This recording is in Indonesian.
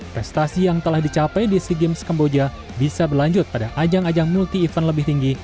prestasi yang telah dicapai di sea games kamboja bisa berlanjut pada ajang ajang multi event lebih tinggi